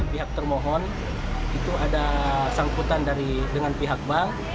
pihak termohon itu ada sangkutan dengan pihak bank